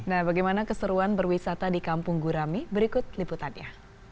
nah bagaimana keseruan berwisata di kampung gurami berikut liputannya